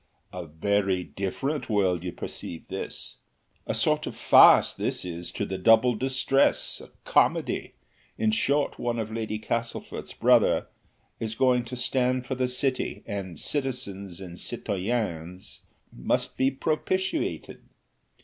"A very different world you perceive this! A sort of farce this is to the 'Double Distress,' a comedy; in short, one of Lord Castlefort's brothers is going to stand for the City, and citizens and citoyennes must be propitiated.